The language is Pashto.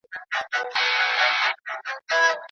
ایلي د مور کیدو وروسته ډېر خوشحاله شوه.